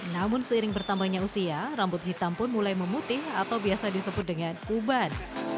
namun seiring bertambahnya usia rambut hitam pun mulai memutih atau biasa disebut dengan uban